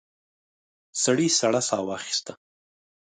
سړي سړه ساه واخيسته.